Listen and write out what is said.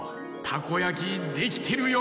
たこやきできてるよ。